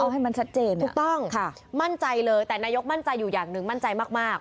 ให้มันชัดเจนถูกต้องค่ะมั่นใจเลยแต่นายกมั่นใจอยู่อย่างหนึ่งมั่นใจมาก